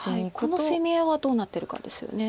この攻め合いはどうなってるかですよね。